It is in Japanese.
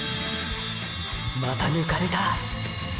また抜かれた。